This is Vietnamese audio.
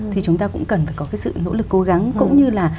thì chúng ta cũng cần phải có cái sự nỗ lực cố gắng cũng như là